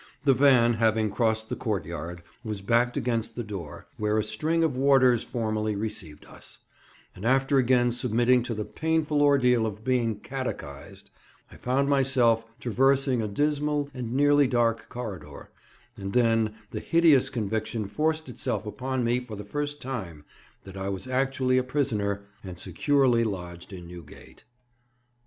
The van, having crossed the courtyard, was backed against the door, where a string of warders formally received us; and after again submitting to the painful ordeal of being catechized, I found myself traversing a dismal and nearly dark corridor; and then the hideous conviction forced itself on me for the first time that I was actually a prisoner and securely lodged in Newgate.